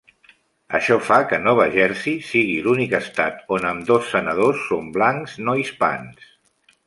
Això fa que Nova Jersey sigui l'únic estat on ambdós senadors són blancs no hispans.